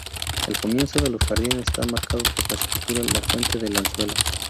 El comienzo de los jardines está marcado por la escultura La fuente del anzuelo.